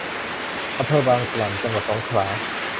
อำเภอบางกล่ำ จังหวัดสงขลา